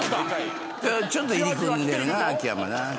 ちょっと入り組んでるな秋山な。